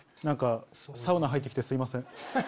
サウナ入って来てすいません。